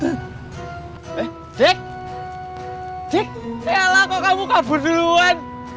eh dik dik ayolah kok kamu kabur duluan